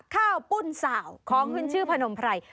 ข้าวปุ้นสาวของขึ้นชื่อพนมไพร